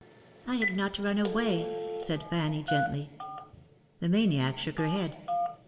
" I have not run away," said Fanny, gently. The maniac shook her head.